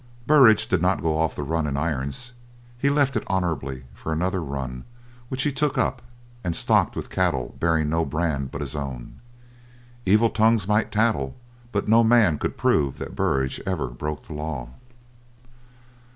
Burridge did not go off the run in irons; he left it honourably for another run which he took up, and stocked with cattle bearing no brand but his own. Evil tongues might tattle, but no man could prove that Burridge ever broke the law.